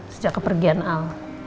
sejak kepergian al